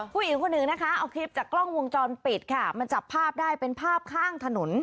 ผู้หญิงคนหนึ่งนะคะเอาคลิปจากกล้องวงจรปิดค่ะมันจับภาพได้เป็นภาพข้างถนน